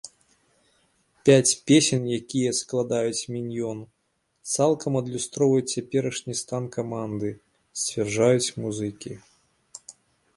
Пяць песень, якія складаюць міньён, цалкам адлюстроўваюць цяперашні стан каманды, сцвярджаюць музыкі.